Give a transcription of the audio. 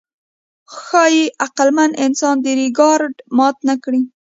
ښایي عقلمن انسان دا ریکارډ مات نهکړي.